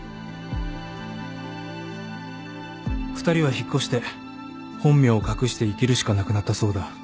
２人は引っ越して本名を隠して生きるしかなくなったそうだ。